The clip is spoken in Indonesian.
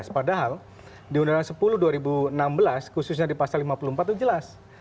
padahal di undang undang sepuluh dua ribu enam belas khususnya di pasal lima puluh empat itu jelas